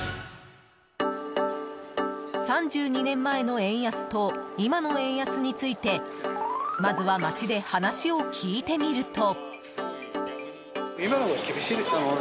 ３２年前の円安と今の円安についてまずは街で話を聞いてみると。